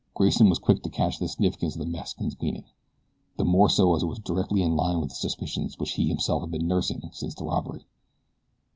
Grayson was quick to catch the significance of the Mexican's meaning. The more so as it was directly in line with suspicions which he himself had been nursing since the robbery.